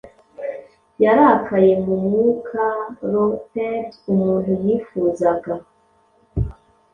Yarakaye mu mwukaloathèd umuntu yifuzaga